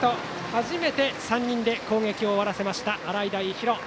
初めて３人で攻撃を終わらせました洗平比呂。